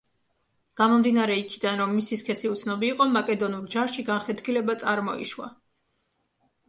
გამომდინარე იქიდან, რომ მისი სქესი უცნობი იყო, მაკედონურ ჯარში განხეთქილება წარმოიშვა.